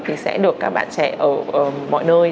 thì sẽ được các bạn trẻ ở mọi nơi